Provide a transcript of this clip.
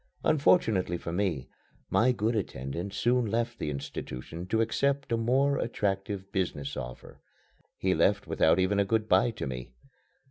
Unfortunately for me, my good attendant soon left the institution to accept a more attractive business offer. He left without even a good bye to me.